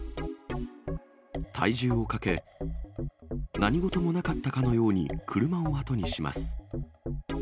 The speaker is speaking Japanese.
体重をかけ、何事もなかったかのように車を後にします。